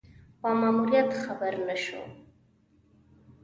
په ماموریت خبر شو.